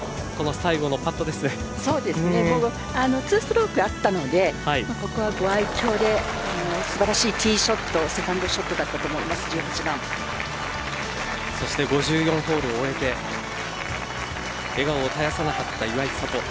２ストロークあったのでここは、ご愛嬌ですばらしいティーショットセカンドショットだったそして５４ホールを終えて笑顔を絶やさなかった岩井千怜。